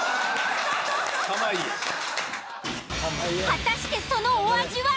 果たしてそのお味は？